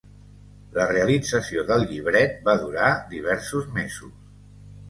La realització del llibret va durar diversos mesos.